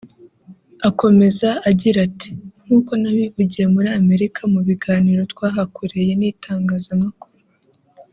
Akomeza agira ati « Nk’uko nabivugiye muri Amerika mu biganiro twahakoreye n’itangazamakuru